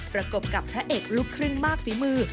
ประกบกับพระเอกลูกครึ่งมากฝีมือ